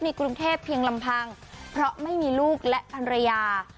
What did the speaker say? กรุงเทพเพียงลำพังเพราะไม่มีลูกและภรรยา